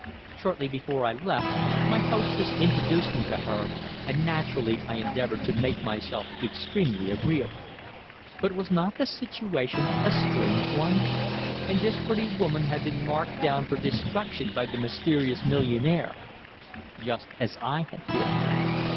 Shortly before I left my hostess introduced me to her, and naturally I endeavoured to make myself extremely agreeable. But was not the situation a strange one? And this pretty woman had been marked down for destruction by the mysterious millionaire, just as I had been!